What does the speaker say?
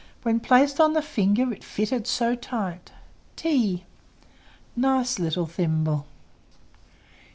When placed on the finger, It fitted so tight! t! Nice little thimble!